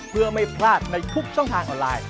เพื่อไม่พลาดในทุกช่องทางออนไลน์